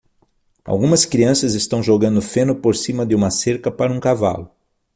Algumas crianças estão jogando feno por cima de uma cerca para um cavalo.